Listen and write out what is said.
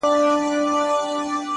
اخلو انتقام به له تیارو یاره.